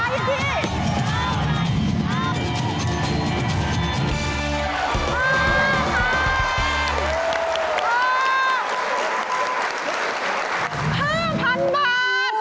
เอาไลน์